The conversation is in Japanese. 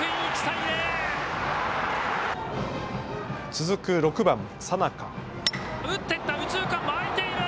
続く６番・佐中。